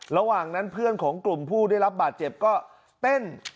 ระหว่างนั้นเพื่อนของกลุ่มผู้ได้รับบาดเจ็บก็เต้น